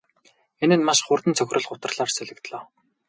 Энэ нь маш хурдан цөхрөл гутралаар солигдлоо.